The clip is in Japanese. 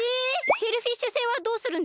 シェルフィッシュ星はどうするんですか？